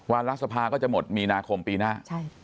วันลักษภาก็จะหมดมีนาคมปีหน้า